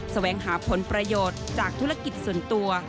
แสวงหาผลประโยชน์จากธุรกิจส่วนตัว